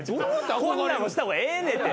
こんなんもした方がええねんって。